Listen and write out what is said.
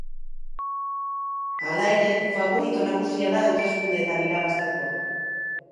Hala ere, faborito nagusia da hauteskundeetan irabazteko.